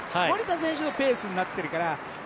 守田選手のペースになってるから。